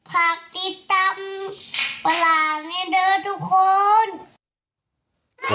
ภาคติดตามประหลาดแน่เดิมทุกคน